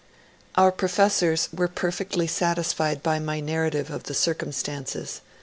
Our professors were perfectly satisfied by my narrative of the cir cumstances.